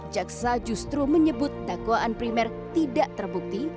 jaksa justru menyebut dakwaan primer tidak terbukti